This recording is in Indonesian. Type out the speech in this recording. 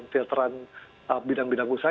filteran bidang bidang usaha